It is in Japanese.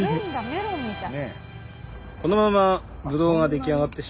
メロンみたい。